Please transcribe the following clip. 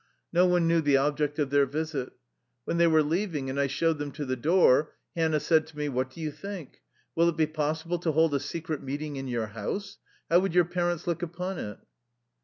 No one knew the object of their visit. When they were leaving and I showed them to the door, Hannah said to me: "What do you think? Will it be possible to hold a secret meeting in your house? How would your parents look upon it?